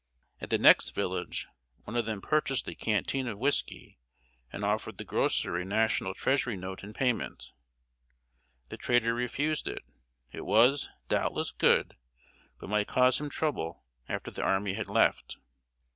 At the next village one of them purchased a canteen of whisky, and offered the grocer a National treasury note in payment. The trader refused it; it was, doubtless, good, but might cause him trouble after the army had left.